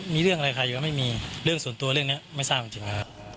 มีเรื่องอะไรค่ะยังไม่มีเรื่องส่วนตัวเรื่องนี้ไม่ทราบจริง